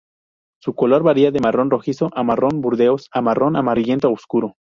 Su color varía de marrón rojizo a marrón burdeos a marrón amarillento oscuro.